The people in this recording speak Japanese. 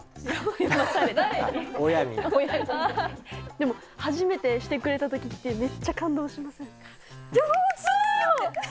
でも初めてしてくれた時ってめっちゃ感動しませんか？